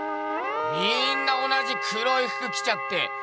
みんな同じ黒いふく着ちゃって。